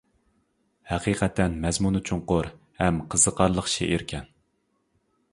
ھەقىقەتەن مەزمۇنى چوڭقۇر ھەم قىزىقارلىق شېئىركەن.